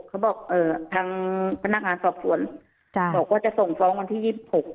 เขาบอกเอ่อทางพนักงานสอบสวนบอกว่าจะส่งฟ้องวันที่๒๖